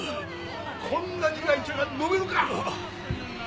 こんな苦い茶が飲めるか！